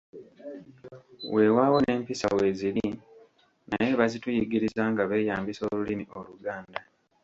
Weewaawo n'empisa weeziri, naye bazituyigiriza nga beeyambisa olulimi Oluganda.